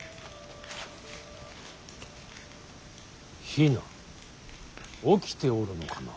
比奈起きておるのかな。